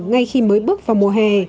ngay khi mới bước vào mùa hè